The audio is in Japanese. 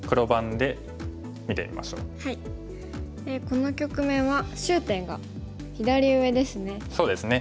この局面は焦点が左上ですね。